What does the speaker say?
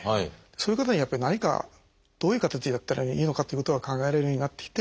そういう方にやっぱり何かどういう形でやったらいいのかということが考えられるようになってきて。